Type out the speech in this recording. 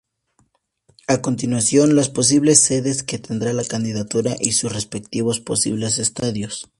A continuación, las posibles sedes que tendrá la candidatura y sus respectivos posibles estadios.